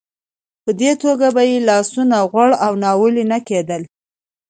په دې توګه به یې لاسونه غوړ او ناولې نه کېدل.